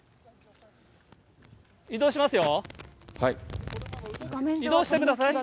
移動しますよ。